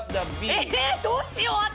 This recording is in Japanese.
えどうしよう私。